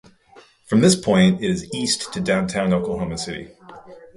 From this point it is east to downtown Oklahoma City.